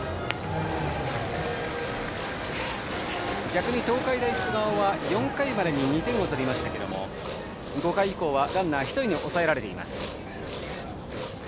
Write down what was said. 逆に東海大菅生は４回までに２点を取りましたが５回以降はランナー１人に抑えられています。